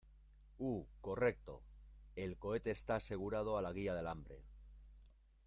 Uh, correcto. El cohete esta asegurado a la guia de alambre .